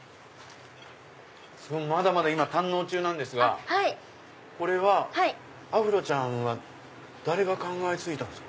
まだまだ今堪能中なんですがこれはアフロちゃんは誰が考え付いたんですか？